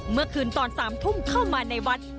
เมื่อคืนตอน๓ทุ่มเข้ามาในวัด